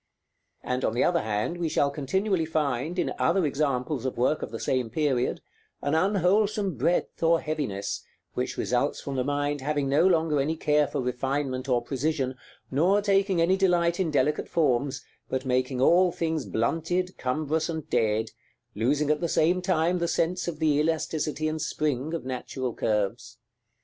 And on the other hand, we shall continually find, in other examples of work of the same period, an unwholesome breadth or heaviness, which results from the mind having no longer any care for refinement or precision, nor taking any delight in delicate forms, but making all things blunted, cumbrous, and dead, losing at the same time the sense of the elasticity and spring of natural curves.